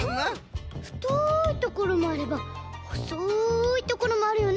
ふといところもあればほそいところもあるよね！